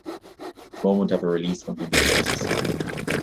The moment of her release from him was ecstasy.